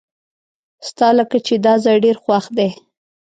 ستالکه چې داځای ډیر خوښ دی .